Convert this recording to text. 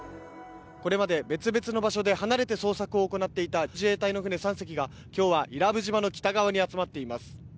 これまで別々の場所で離れて捜索を行っていた自衛隊の船３隻が今日は伊良部島の北側に集まっています。